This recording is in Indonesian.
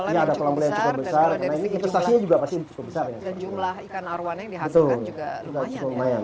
jadi ada kolam kolam yang cukup besar dan kalau dari segi jumlah ikan arwahannya yang dihasilkan juga lumayan